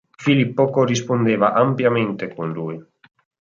Filippo corrispondeva ampiamente con lui.